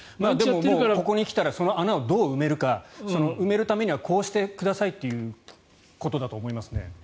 ここに来たらその穴をどう埋めるか埋めるためにはこうしてくださいということだと思いますね。